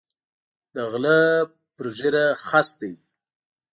د غلۀ پۀ ږیره خس دی